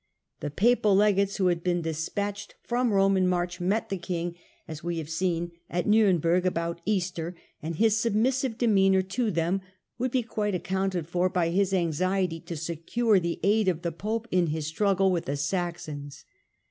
The papal legates who had been despatched Digitized by VjOOQIC Revolt of the Saxons 107 from Borne in March met the king, as we have seen,^ at Niimberg about Easter, and his submissive demeanour to them would be quite accounted for by his anxiety to secure the aid of the pope in his struggle with the Saxons.